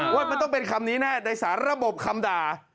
ว่ามันต้องเป็นคำนี้แน่ในสารระบบคำด่า